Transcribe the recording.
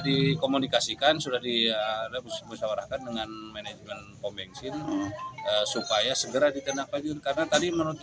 dikomunikasikan sudah diadakan dengan manajemen kompensi supaya segera dikenalkan karena tadi menurut